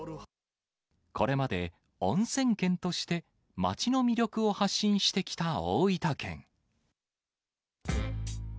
これまで、おんせん県として、街の魅力を発信してきた大分県。